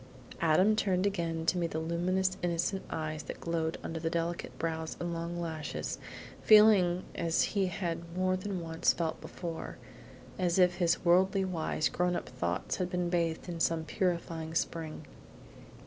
Adam turned again to meet the luminous, innocent eyes that glowed under the delicate brows and long lashes, feeling as he had more than once felt before, as if his worldly wise, grown up thoughts had been bathed in some purifying spring.